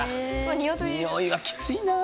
においはきついなあ。